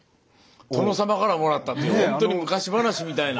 殿様からもらったっていうほんとに昔話みたいな。